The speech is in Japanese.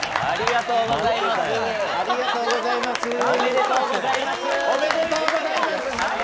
ありがとうございます。